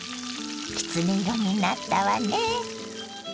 きつね色になったわね。